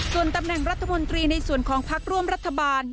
ส่วนตำแหน่งรัฐมนตรีในส่วนของพักร่วมรัฐบาล